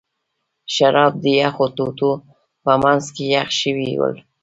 شراب د یخو ټوټو په منځ کې یخ شوي ول.